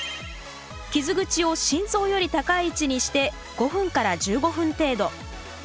傷口を心臓より高い位置にして５分から１５分程度。